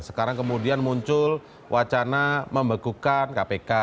sekarang kemudian muncul wacana membekukan kpk